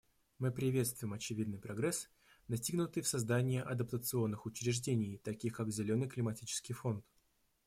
Мы приветствуем очевидный прогресс, достигнутый в создании адаптационных учреждений, таких как Зеленый климатический фонд.